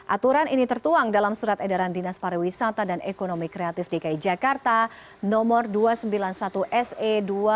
aturan ini tertuang dalam surat edaran dinas pariwisata dan ekonomi kreatif dki jakarta nomor dua ratus sembilan puluh satu se dua ribu dua puluh